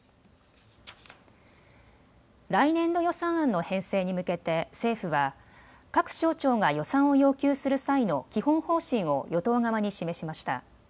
来年度予算案の編成に向けて政府は各省庁が予算を要求する際の基本方針を与党側に示しました。